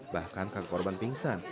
bahkan kak korban pingsan